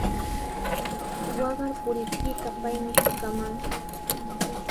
Waqar puriptiiqa paymi shuqakaman.